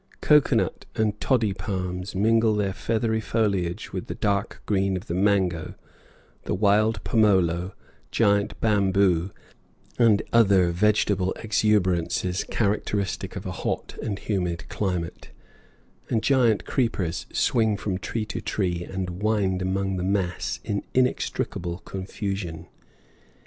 Cocoa nut and toddy palms mingle their feathery foliage with the dark green of the mango, the wild pomolo, giant bamboo, and other vegetable exuberances characteristic of a hot and humid climate, and giant creepers swing from tree to tree and wind among the mass in inextricable confusion.